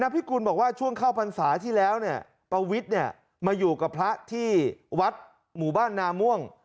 พิกุลบอกว่าช่วงเข้าพรรษาที่แล้วประวิทย์มาอยู่กับพระที่วัดหมู่บ้านนาม่วง